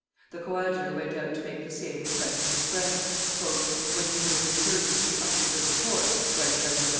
The coadjutor went out to make the same request to his friends. "When he would have returned into the usher's little court," writes Mdlle.